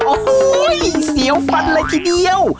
โอ้โหเสียวฟันเลยทีเดียว